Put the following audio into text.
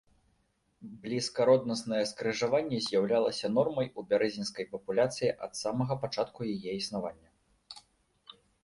Блізкароднаснае скрыжаванне з'яўлялася нормай у бярэзінскай папуляцыі ад самага пачатку яе існавання.